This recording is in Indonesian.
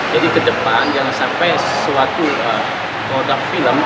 jadi kedepan jangan sampai suatu produk film